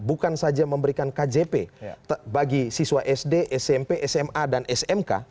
bukan saja memberikan kjp bagi siswa sd smp sma dan smk